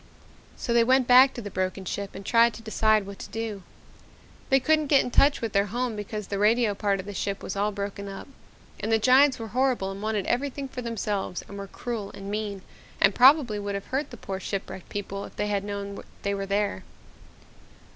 "So they went back to the broken ship and tried to decide what to do. They couldn't get in touch with their home because the radio part of the ship was all broken up. And the giants were horrible and wanted everything for themselves and were cruel and mean and probably would have hurt the poor ship wrecked people if they had known they were there.